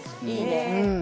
いいね。